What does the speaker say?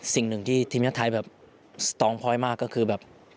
สิ่งหนึ่งที่ทีมชาติไทยแบบสตองพลอยมากก็คือแบบ